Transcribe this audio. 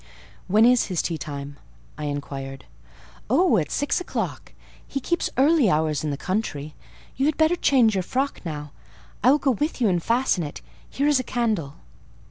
"When is his tea time?" I inquired. "Oh, at six o'clock: he keeps early hours in the country. You had better change your frock now; I will go with you and fasten it. Here is a candle."